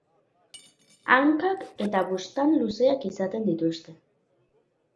Hankak eta buztana luzeak izaten dituzte.